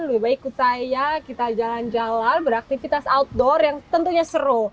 lebih baik ikut saya kita jalan jalan beraktivitas outdoor yang tentunya seru